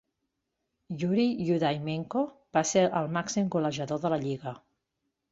Yuriy Hudymenko va ser el màxim golejador de la lliga.